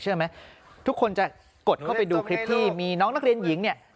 เชื่อไหมทุกคนจะกดเข้าไปดูคลิปที่มีน้องนักเรียนหญิงเนี่ย